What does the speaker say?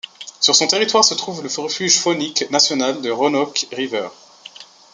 Sur son territoire se trouve le refuge faunique national de Roanoke River.